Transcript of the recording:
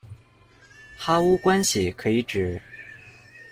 哈乌关系可以指：